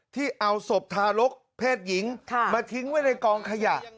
ที่เอาศพทารกเพศหญิงมาทิ้งไว้ในกองขยะ